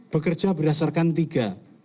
bekerja berdasarkan tiga